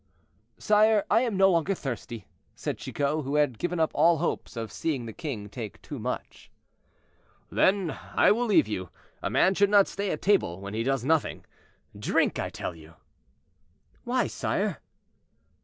"Sire, I am no longer thirsty," said Chicot, who had given up all hopes of seeing the king take too much. "Then, I will leave you; a man should not stay at table when he does nothing. Drink, I tell you." "Why, sire?"